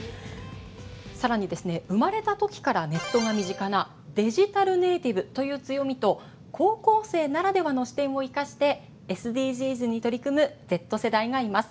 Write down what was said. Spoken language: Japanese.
更にですね生まれた時からネットが身近なデジタルネイティブという強みと高校生ならではの視点を生かしてＳＤＧｓに取り組むＺ世代がいます。